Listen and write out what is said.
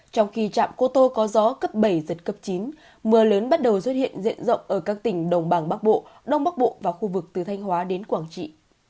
trong khi trạm cô tô có gió cấp bảy giật cấp chín mưa lớn bắt đầu xuất hiện diện rộng ở các tỉnh đồng bằng bắc bộ đông bắc bộ và khu vực từ thanh hóa đến quảng trị